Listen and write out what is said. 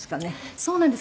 そうなんです。